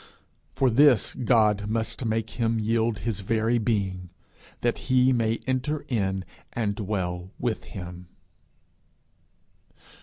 For this God must make him yield his very being, that He may enter in and dwell with him.